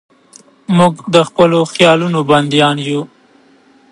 موږ د خپلو خیالونو بندیان یو.